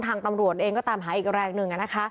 ทางตำรวจเองก็ตามหาอีกแรงหนึ่ง